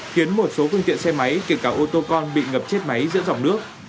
khiến một số phương tiện xe máy kể cả ô tô con bị ngập chết máy giữa dòng nước